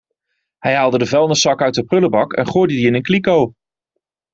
Hij haalde de vuilniszak uit de prullenbak en gooide die in een kliko.